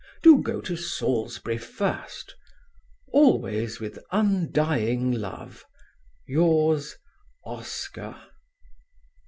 Do go to Salisbury first. Always with undying love, Yours, OSCAR."